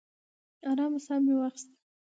ارام ساه مې واخیسته.